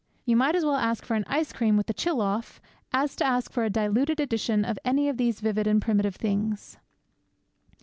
You might as well ask for an ice cream with the chill off as ask for a diluted edition of any of these vivid and primitive things.